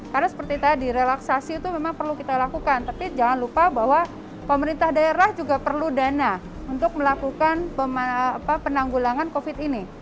karena seperti tadi relaksasi itu memang perlu kita lakukan tapi jangan lupa bahwa pemerintah daerah juga perlu dana untuk melakukan penanggulangan covid ini